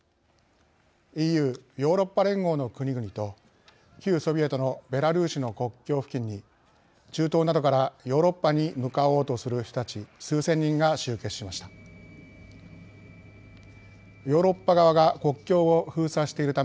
ＥＵ＝ヨーロッパ連合の国々と旧ソビエトのベラルーシの国境付近に中東などからヨーロッパに向かおうとする人たち数千人が集結しました。